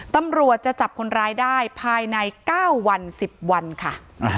ตำรวจจะจับคนร้ายได้ภายใน๙วัน๑๐วันค่ะ